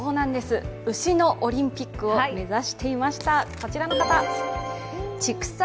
牛のオリンピックを目指していました。